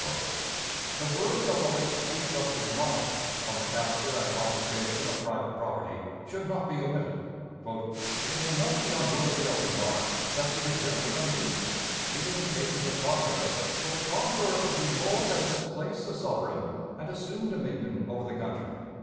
The words of the late Chief Justice Marshall on the capture and confiscation of private property should not be omitted: "It may not be unworthy of remark that it is very unusual, even in cases of conquest, for the conqueror to do more than displace the sovereign, and assume dominion over the country.